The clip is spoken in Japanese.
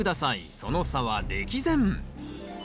その差は歴然！